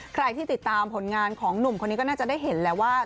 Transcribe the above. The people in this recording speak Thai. ใครที่ติดตามผลงานของหนุ่มคนนี้ก็น่าจะได้เห็นแล้วว่า